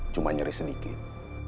cuma nyeri sedikit